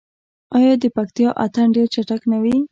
آیا د پکتیا اتن ډیر چټک نه وي؟